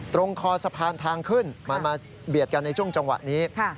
คอสะพานทางขึ้นมันมาเบียดกันในช่วงจังหวะนี้